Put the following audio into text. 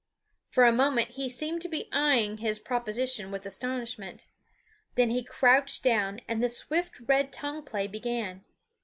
For a moment he seemed to be eying his proposition with astonishment. Then he crouched down and the swift red tongue play began.